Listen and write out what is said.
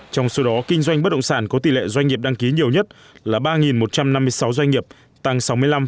trong số đó kinh doanh bất động sản có tỷ lệ doanh nghiệp đăng ký nhiều nhất là ba một trăm năm mươi sáu doanh nghiệp tăng sáu mươi năm